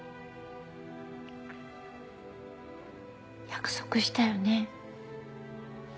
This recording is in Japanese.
約束したよね。